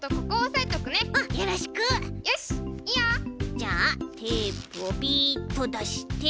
じゃあテープをビッとだして。